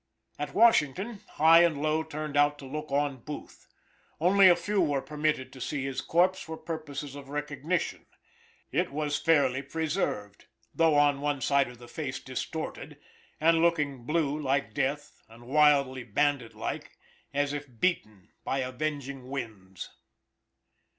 At Washington, high and low turned out to look on Booth. Only a few were permitted to see his corpse for purposes of recognition. It was fairly preserved, though on one side of the face distorted, and looking blue like death, and wildly bandit like, as if beaten by avenging winds.